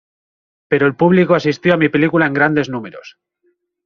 Pero el público asistió a mi película en grandes números.